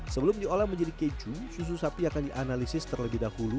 sebelum diolah menjadi keju susu sapi akan dianalisis terlebih dahulu